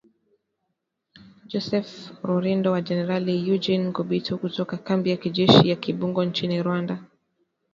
Joseph Rurindo na Jenerali Eugene Nkubito kutoka kambi ya kijeshi ya Kibungo nchini Rwanda